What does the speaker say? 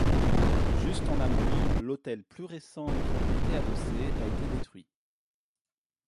Juste en amont, l'hôtel plus récent qui lui était adossé a été détruit.